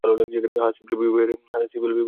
হাঁ, সিভিল বিবাহের আইন-মতে।